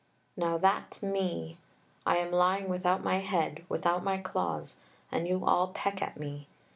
Now, that's me. I am lying without my head, without my claws, and you all peck at me.